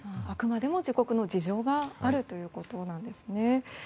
あくまでも自国の事情があるということなんですね。